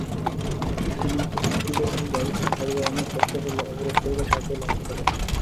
তিনি পত্রিকাবাহী গাড়িটি ছাড়িয়ে আনার চেষ্টা করলে অবরোধকারীরা তাঁকেও লাঞ্ছিত করেন।